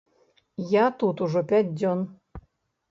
Я тут ужо пяць дзён.